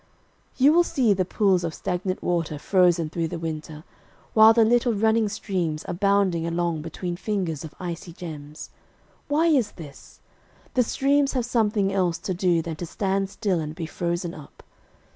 You will see the pools of stagnant water frozen through the winter, while the little running streams are bounding along between fringes of icy gems. Why is this? The streams have something else to do than to stand still and be frozen up.